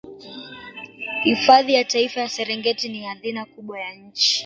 hifadhi ya taifa ya serengeti ni hadhina kubwa ya nchi